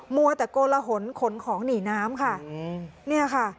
มัวแต่โกลหนขนของหนีน้ำค่ะเนี่ยค่ะ